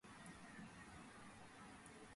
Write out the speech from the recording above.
ქარიმოვა უზბეკეთის პირველი პრეზიდენტის მეორე ცოლი იყო.